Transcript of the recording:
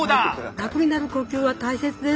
楽になる呼吸は大切です。